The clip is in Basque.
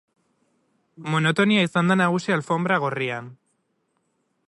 Monotonia izan da nagusi alfonbra gorria.